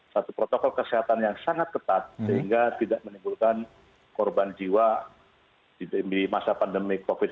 satu protokol kesehatan yang sangat ketat sehingga tidak menimbulkan korban jiwa di masa pandemi covid sembilan belas